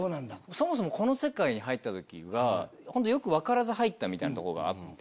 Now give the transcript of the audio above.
そもそもこの世界に入った時はよく分からず入ったとこがあって。